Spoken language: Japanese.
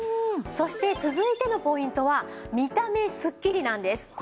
そして続いてのポイントは見た目スッキリなんです。